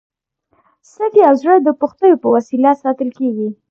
سږي او زړه د پښتیو په وسیله ساتل کېږي.